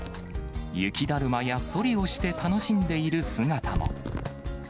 雪だるまや、そりをして楽しんでいる姿も。